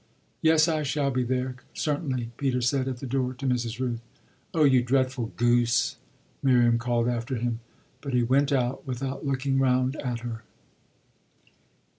"Yes, I shall be there certainly," Peter said, at the door, to Mrs. Rooth. "Oh you dreadful goose!" Miriam called after him. But he went out without looking round at her.